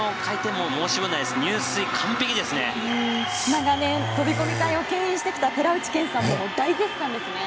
長年飛込界を牽引してきた寺内健さんも大絶賛ですね。